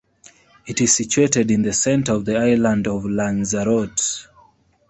It is situated in the center of the island of Lanzarote.